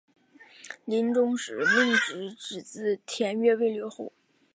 临终时命侄子田悦为留后。